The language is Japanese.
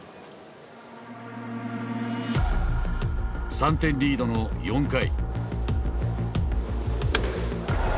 ３点リードの４回。